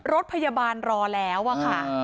รถพยาบาลรอแล้วอะค่ะ